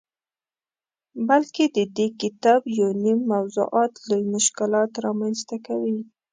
بلکه ددې کتاب یونیم موضوعات لوی مشکلات رامنځته کوي.